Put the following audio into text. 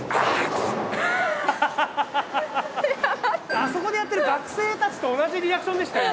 あそこでやってる学生たちと同じリアクションでしたよ